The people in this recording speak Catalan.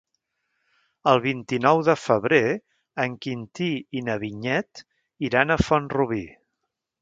El vint-i-nou de febrer en Quintí i na Vinyet iran a Font-rubí.